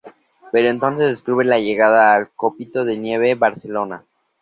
Pero entonces descubre la llegada de Copito de Nieve a Barcelona.